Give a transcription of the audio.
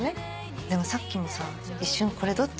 でもさっきもさ一瞬これどっち？